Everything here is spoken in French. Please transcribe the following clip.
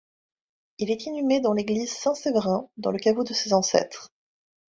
Il est inhumé dans l'église Saint Séverin, dans le caveau de ses ancêtres.